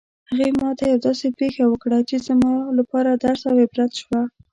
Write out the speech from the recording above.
هغې ما ته یوه داسې پېښه وکړه چې زما لپاره درس او عبرت شوه